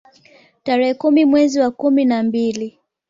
Tarehe kumi mwezi wa kumi na mbili